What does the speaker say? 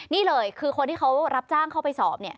นี่เลยคือคนที่เขารับจ้างเข้าไปสอบ